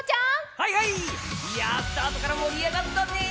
はいはい、いや、スタートから盛り上がったね！